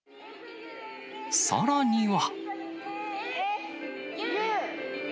さらには。